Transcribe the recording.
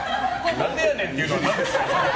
なんでやねんっていうのは何ですか？